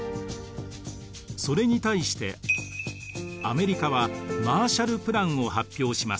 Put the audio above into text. それに対してアメリカはマーシャルプランを発表します。